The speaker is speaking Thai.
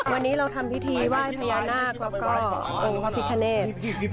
วันนี้เราทำพิธีไหว้พญานาคก็เอาพิธีเทรด